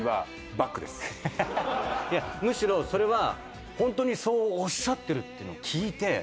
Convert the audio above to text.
むしろそれはホントにそうおっしゃってるというのを聞いて。